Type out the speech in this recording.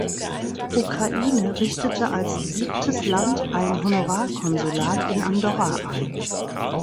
Ukraine richtete als siebtes Land ein Honorarkonsulat in Andorra ein.